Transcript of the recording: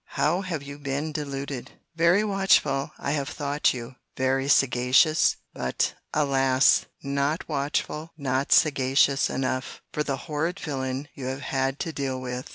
—How have you been deluded!—Very watchful I have thought you; very sagacious:—but, alas! not watchful, not sagacious enough, for the horrid villain you have had to deal with!